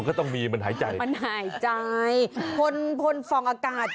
ก็ต้องมีมันหายใจมันหายใจพลพนฟองอากาศ